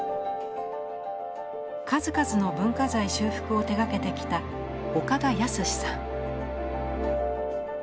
数々の文化財修復を手がけてきた岡田靖さん。